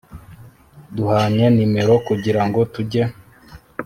duhanye nimero kugirango tujye